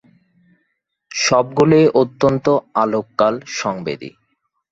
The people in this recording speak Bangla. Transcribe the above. সবগুলোই অত্যন্ত আলোককাল-সংবেদী।